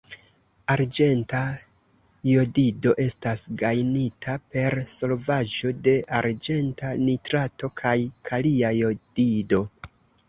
Arĝenta jodido estas gajnita per solvaĵo de arĝenta nitrato kaj kalia jodido.